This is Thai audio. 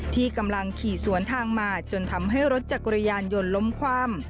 ที่กำลังขี่สวนทางมาจนทำให้รถจักรยานยนต์ล้มคว่ำ